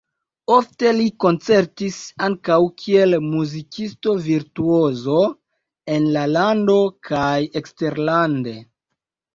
Ofte li koncertis ankaŭ kiel muzikisto-virtuozo en la lando kaj eksterlande.